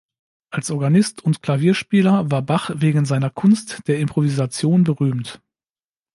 Als Organist und Klavierspieler war Bach wegen seiner Kunst der Improvisation berühmt.